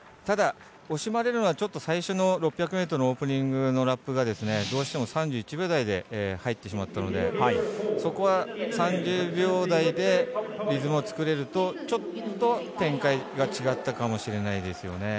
ただ惜しまれるのは最初の６００ｍ、オープニングのラップが、どうしても３１秒台で入ってしまったのでそこは３０秒台でリズムを作れると、ちょっと展開が違ったかもしれないです。